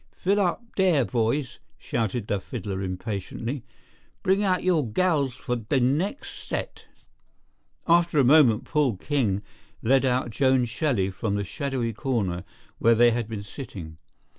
"Fill up dere, boys," shouted the fiddler impatiently. "Bring out your gals for de nex' set." After a moment Paul King led out Joan Shelley from the shadowy corner where they had been sitting.